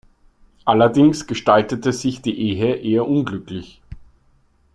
Allerdings gestaltete sich die Ehe eher unglücklich.